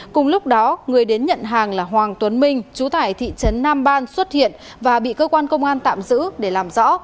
cùng lúc đó người đến nhận hàng là hoàng tuấn minh chú tải thị trấn nam ban xuất hiện và bị cơ quan công an tạm giữ để làm rõ